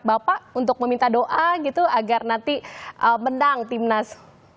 bapak untuk meminta doa gitu agar nanti menang timnas